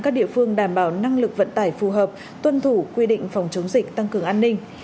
các địa phương đảm bảo năng lực vận tải phù hợp tuân thủ quy định phòng chống dịch tăng cường an ninh